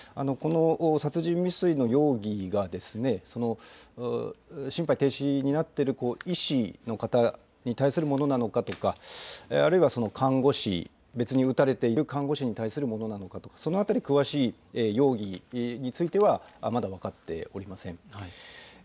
この殺人未遂の容疑が、その心肺停止になっている医師の方に対するものなのかとか、あるいは看護師、別に撃たれている看護師に対するものなのかとか、そのあたり、詳しい容疑については、まだ分かっておりません。